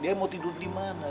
dia mau tidur di mana